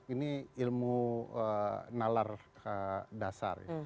ini ilmu nalar dasar